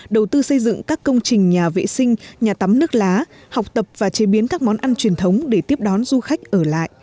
đầu tư xây dựng các công trình nhà vệ sinh nhà tắm nước lá học tập và chế biến các món ăn truyền thống để tiếp đón du khách ở lại